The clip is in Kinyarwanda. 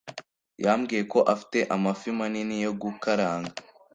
Yambwiye ko afite amafi manini yo gukaranga